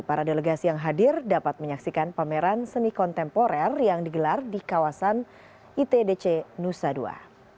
para delegasi yang hadir dapat menyaksikan pameran seni kontemporer yang digelar di kawasan itdc nusa dua